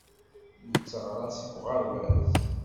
Netteɣraṣ deg uɣerbaz.